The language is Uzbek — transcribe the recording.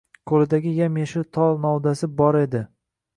Qo‘lidagi yam-yashil tol novdasi bore di.